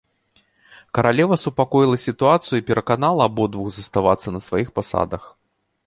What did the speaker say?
Каралева супакоіла сітуацыю і пераканала абодвух заставацца на сваіх пасадах.